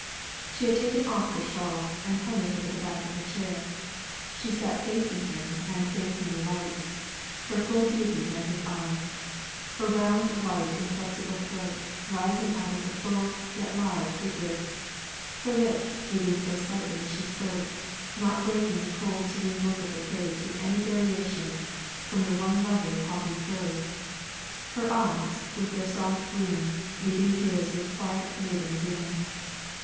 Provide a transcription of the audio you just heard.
She had taken off her shawl, and hung it over the back of her chair. She sat facing him and facing the light; her full beauty met his eye; her round white flexile throat rising out of the full, yet lithe figure; her lips moving so slightly as she spoke, not breaking the cold serene look of her face with any variation from the one lovely haughty curve; her eyes, with their soft gloom, meeting his with quiet maiden freedom.